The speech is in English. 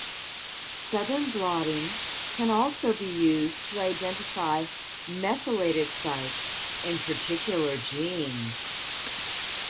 Southern blotting can also be used to identify methylated sites in particular genes.